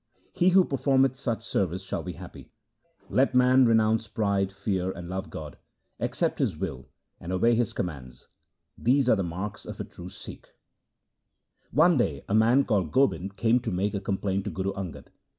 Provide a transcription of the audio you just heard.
He who performeth such service shall be happy. Let man renounce pride, fear and love God, accept His will, and obey His commands. These are the marks of a true Sikh.' SIKH. II D 34 THE SIKH RELIGION One day a man called Gobind came to make a complaint to Guru Angad.